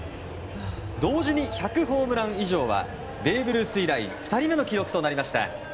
同時に１００ホームラン以上はベーブ・ルース以来２人目の記録となりました。